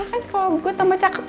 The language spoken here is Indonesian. kan kalau gue tambah cakep